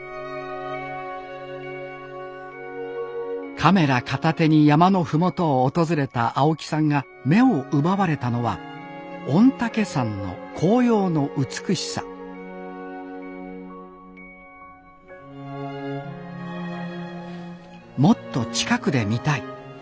カメラ片手に山の麓を訪れた青木さんが目を奪われたのは御嶽山の紅葉の美しさもっと近くで見たい。